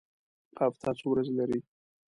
هفته څو ورځې لري؟